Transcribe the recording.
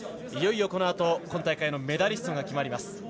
いよいよこのあと今回会のメダリストが決まります。